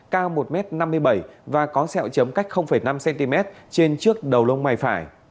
cao một m năm mươi bảy và có xeo chấm cách năm cm trên trước đầu lông mải phải